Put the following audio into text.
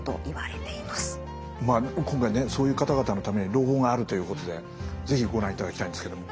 今回ねそういう方々のために朗報があるということで是非ご覧いただきたいんですけども。